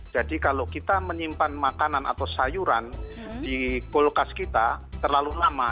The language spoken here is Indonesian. jadi kalau kita menyimpan makanan atau sayuran di kolokas kita terlalu lama